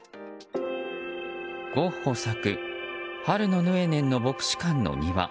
ゴッホ作「春のヌエネンの牧師館の庭」。